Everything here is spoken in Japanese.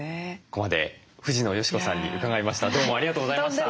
ここまで藤野嘉子さんに伺いました。